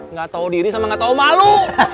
nggak tahu diri sama nggak tahu malu